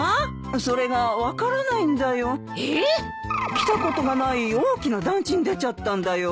来たことがない大きな団地に出ちゃったんだよ。